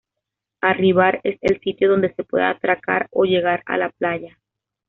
Arribar es el sitio donde se puede atracar o llegar a la playa.